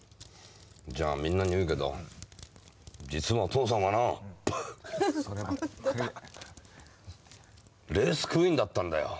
じゃあみんなに言うけど実は父さんはなレースクイーンだったんだよ。